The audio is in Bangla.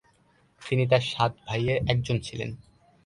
তিনি তার সাত ভাইয়ের একজন ছিলেন।